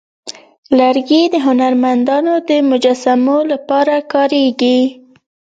لرګی د هنرمندانو د مجسمو لپاره کارېږي.